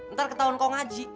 ntar ketahuan kong haji